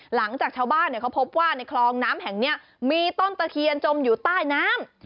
หลังจากชาวบ้านเขาพบว่าในคลองน้ำแห่งนี้มีต้นตะเคียนจมอยู่ใต้น้ำ